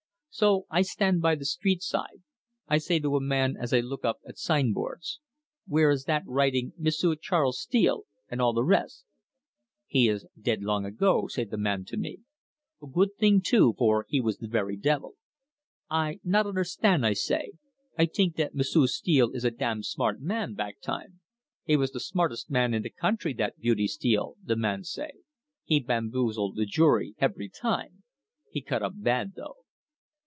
So I stand by the streetside. I say to a man as I look up at sign boards,' 'Where is that writing "M'sieu' Charles Steele," and all the res'?' 'He is dead long ago,' say the man to me. 'A good thing too, for he was the very devil.' 'I not understan',' I say. 'I tink that M'sieu' Steele is a dam smart man back time.' 'He was the smartes' man in the country, that Beauty Steele,' the man say. 'He bamboozle the jury hevery time. He cut up bad though.